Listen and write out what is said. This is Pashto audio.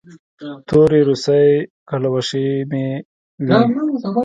تورې روسۍ کلوشې مې وې.